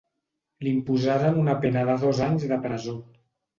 Li imposaren una pena de dos anys de presó.